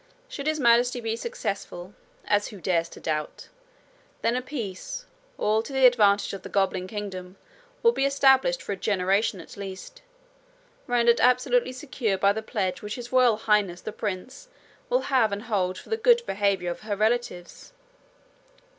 Should His Majesty be successful as who dares to doubt? then a peace, all to the advantage of the goblin kingdom, will be established for a generation at least, rendered absolutely secure by the pledge which His Royal Highness the prince will have and hold for the good behaviour of her relatives.